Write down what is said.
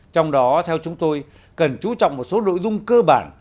trong đó theo chúng tôi cần chú trọng một số nội dung cơ bản